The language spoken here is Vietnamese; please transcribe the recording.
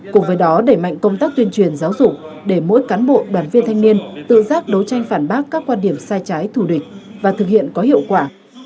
cùng với đó đẩy mạnh công tác tuyên truyền giáo dục để mỗi cán bộ đoàn viên thanh niên tự giác đấu tranh phản bác các quan điểm sai trái thủ địch và thực hiện có hiệu quả